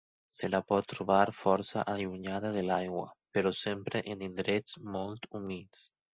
Se la pot trobar força allunyada de l'aigua, però sempre en indrets molt humits.